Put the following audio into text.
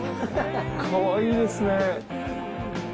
かわいいですね。